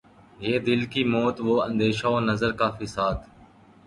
یہ دل کی موت وہ اندیشہ و نظر کا فساد